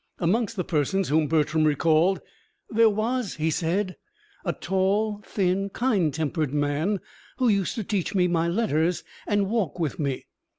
Amongst the persons whom Bertram recalled, "there was," he said, "a tall, thin, kind tempered man, who used to teach me my letters and walk with me."